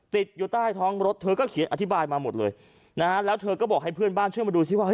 ติดอยู่ใต้ท้องรถเธอก็เขียนอธิบายมาหมดเลยนะฮะแล้วเธอก็บอกให้เพื่อนบ้านช่วยมาดูซิว่าเฮ